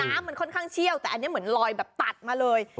น้ำมันค่อนข้างเชี่ยวแต่อันนี้เหมือนลอยแบบตัดมาเลย